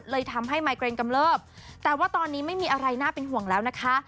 เลยทำให้แต่ว่าตอนนี้ไม่มีอะไรน่าเป็นห่วงแล้วนะคะ